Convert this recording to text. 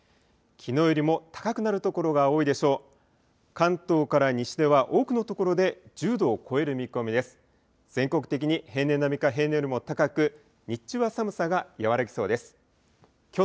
きのうよりも高くなる所が多いでしょう。